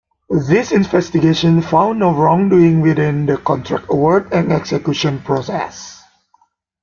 These investigations found no wrongdoing within the contract award and execution process.